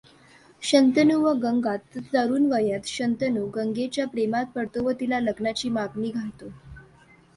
शंतनू व गंगा तरूणवयात शंतनू गंगेच्या प्रेमात पडतो व तिला लग्नाची मागणी घालतो.